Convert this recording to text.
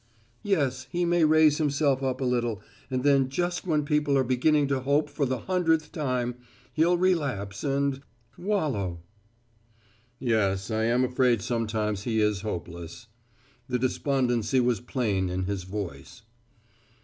"Yes, he may raise himself up a little, and then just when people are beginning to hope for the hundredth time, he'll relapse and wallow." "Yes, I am afraid sometimes he is hopeless." The despondency was plain in his voice.